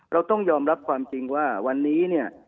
เราต้องยอมรับความจริงว่าวันนี้เนี่ย